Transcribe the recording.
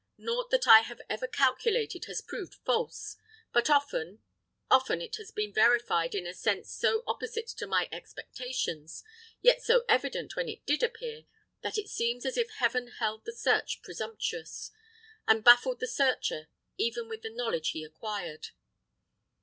Nought that I have ever calculated has proved false; but often, often it has been verified in a sense so opposite to my expectations, yet so evident when it did appear, that it seems as if heaven held the search presumptuous, and baffled the searcher even with the knowledge he acquired.